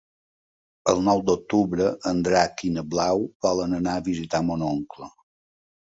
El nou d'octubre en Drac i na Blau volen anar a visitar mon oncle.